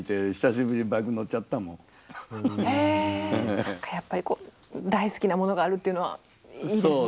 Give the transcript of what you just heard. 何かやっぱりこう大好きなものがあるっていうのはいいですね。